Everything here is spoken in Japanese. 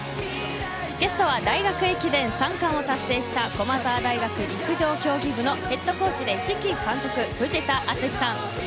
ゲストは大学駅伝３冠を達成した駒澤大学陸上競技部のヘッドコーチで次期監督の藤田敦史さん。